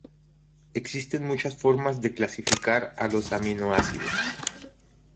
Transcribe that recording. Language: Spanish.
Existen muchas formas de clasificar los aminoácidos.